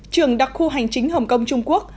trường đặc khu hành chính hồng kông trung quốc